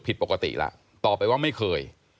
ผิดปกติแล้วตอบไปว่าไม่เคย